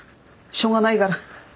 しょうがないから。